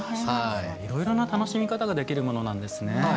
いろいろな楽しみ方ができるものなんですね。